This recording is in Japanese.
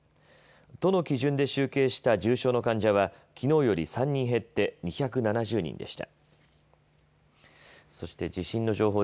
都の基準で集計した重症の患者はきのうより３人減って２７０人でした。